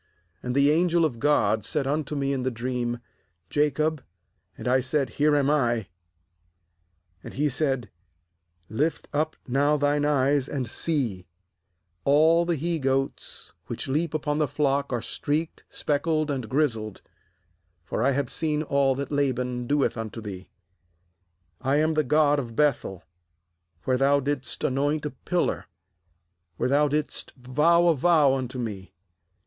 nAnd the angel of God said unto me in the dream: Jacob; and I said: Here am I. ^And he said: Lift up now thine eyes, and see, all the he goats which leap upon the flock are streaked, speckled, and grizzled; for I have seen all that Laban doeth unto thee. 31.13 GENESIS "I am the God of ^ Beth el, where thou didst anoint a pillar, where thou didst vow a vow unto Me.